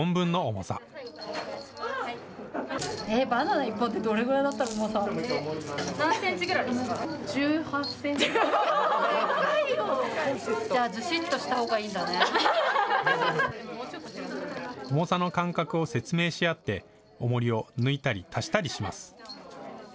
重さの感覚を説明し合っておもりを抜いたり足したりします。